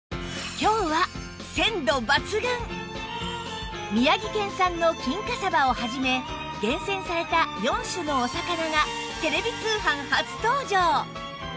今日は宮城県産の金華さばを始め厳選された４種のお魚がテレビ通販初登場！